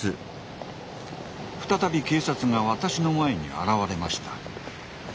再び警察が私の前に現れました。